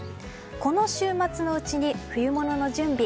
この週末のうちに冬物の準備